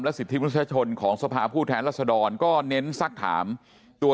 สิทธิมนุษยชนของสภาผู้แทนรัศดรก็เน้นสักถามตัว